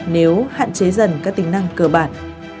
nếu hạn chế dần các tính năng cơ bản